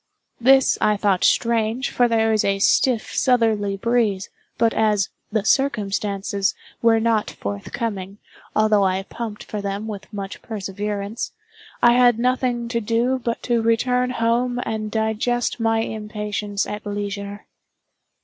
This I thought strange, for there was a stiff southerly breeze; but as "the circumstances" were not forthcoming, although I pumped for them with much perseverance, I had nothing to do but to return home and digest my impatience at leisure.